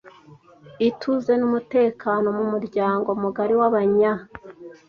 ituze n’umutekano mu muryango mugari w’Abanyar